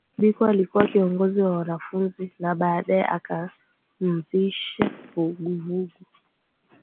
Biko alikuwa kiongozi wa wanafunzi na baadaye akaanzisha vuguvugu